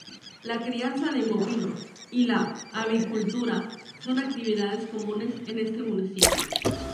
La crianza de bovinos y la avicultura son actividades comunes en este municipio.